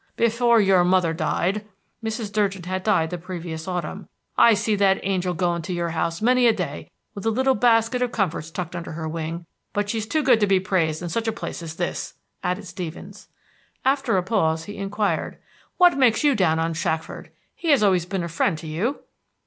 Before your mother died," Mrs. Durgin had died the previous autumn, "I see that angil going to your house many a day with a little basket of comforts tucked under her wing. But she's too good to be praised in such a place as this," added Stevens. After a pause he inquired, "What makes you down on Shackford? He has always been a friend to you."